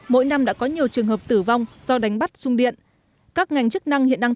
mỗi năm đã có nhiều trường hợp tử vong do đánh bắt sung điện các ngành chức năng hiện đang